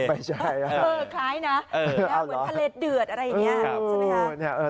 ไม่ใช่คล้ายนะเหมือนทะเลเดือดอะไรอย่างนี้ใช่ไหมคะ